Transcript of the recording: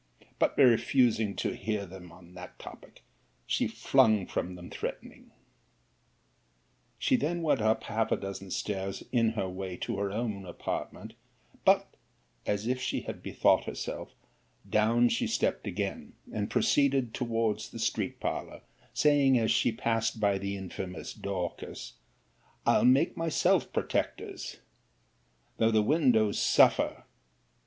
But refusing to hear them on that topic, she flung from them threatening. 'She then went up half a dozen stairs in her way to her own apartment: but, as if she had bethought herself, down she stept again, and proceeded towards the street parlour; saying, as she passed by the infamous Dorcas, I'll make myself protectors, though the windows suffer.